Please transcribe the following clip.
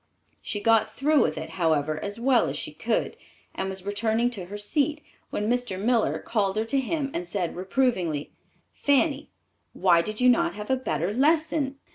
She got through with it, however, as well as she could, and was returning to her seat when Mr. Miller called her to him and said reprovingly, "Fanny, why did you not have a better lesson?"